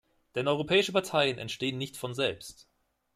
Denn europäische Parteien entstehen nicht von selbst.